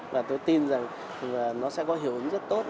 và tôi tin rằng nó sẽ có hiểu ứng rất tốt